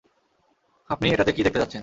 আপনি এটাতে কি দেখতে যাচ্ছেন।